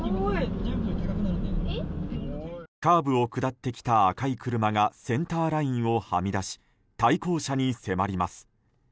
カーブを下ってきた赤い車がセンターラインをはみ出し対向車に迫ります。